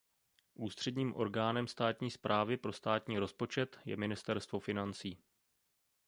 Ústředním orgánem státní správy pro státní rozpočet je Ministerstvo financí.